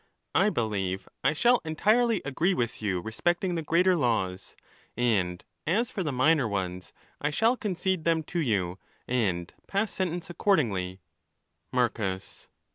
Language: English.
I believe I shall entirely agree with you respecting the greater laws. And as for the minor ones, I shall concede them to you, and pass sentence accordingly. Marcus.